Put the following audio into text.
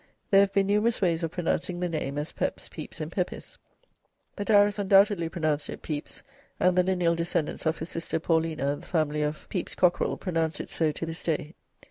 There have been numerous ways of pronouncing the name, as 'Peps,' 'Peeps,' and 'Peppis.' The Diarist undoubtedly pronounced it 'Peeps,' and the lineal descendants of his sister Paulina, the family of 'Pepys Cockerell' pronounce it so to this day.